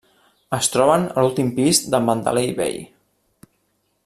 Es troben a l'últim pis del Mandalay Bay.